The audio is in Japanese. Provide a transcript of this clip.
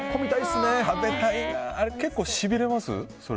それ、結構しびれます？